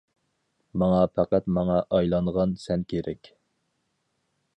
-ماڭا پەقەت ماڭا ئايلانغان سەن كېرەك!